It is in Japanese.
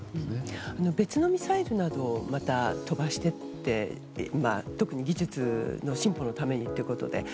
別のミサイルなどもまた飛ばしてって特に技術の進歩のためにということで。